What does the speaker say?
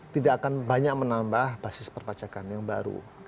tidak akan banyak menambah basis perpacakan yang baru